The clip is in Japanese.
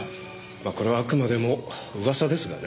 まあこれはあくまでも噂ですがね。